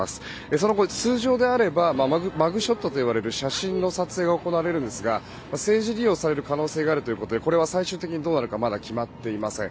その後、通常であればマグショットと呼ばれる写真の撮影が行われるんですが政治利用される可能性があるというころでこれは最終的にどうなるかまだ決まっていません。